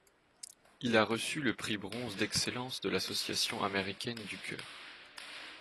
Il a reçu le prix bronze d'excellence de l'association américaine du cœur.